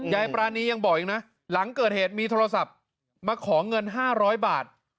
ปรานียังบอกอีกนะหลังเกิดเหตุมีโทรศัพท์มาขอเงิน๕๐๐บาท